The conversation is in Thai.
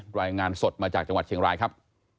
รายงานสดมาจากจังหวัดเชียงรายครับ